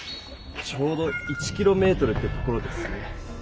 ちょうど１キロメートルってところですね。